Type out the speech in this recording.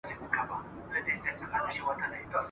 پاس به د اسمان پر لمن وګرځو عنقا به سو !.